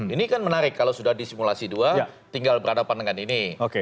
ini kan menarik kalau sudah disimulasi dua tinggal berhadapan dengan ini